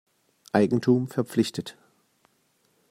Eigentum verpflichtet.